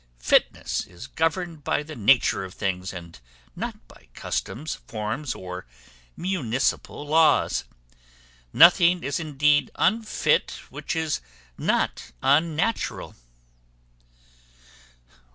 Fitness is governed by the nature of things, and not by customs, forms, or municipal laws. Nothing is indeed unfit which is not unnatural."